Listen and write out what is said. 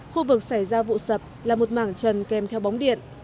khu vực xảy ra vụ sập là một mảng trần kèm theo bóng điện